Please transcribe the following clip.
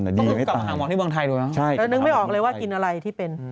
กลับมาหาหมอที่วังไทยดูนะแล้วนึกไม่ออกเลยว่ากินอะไรที่เป็น